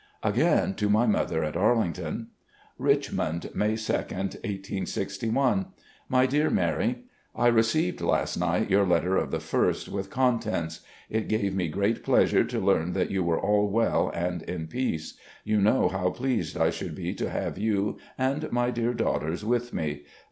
Again to my mother at Arlington : "Richmond, May 2, 1861. " My dear Mary: I received last night your letter of the ist, with contents. It gave me great pleasure to learn that you were all well and in peace. You know how pleased I should be to have you and my dear daughters with me.